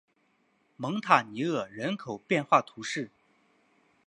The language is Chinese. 蒙塔尼厄人口变化图示